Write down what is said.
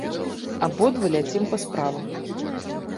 Абодва ляцім па справах.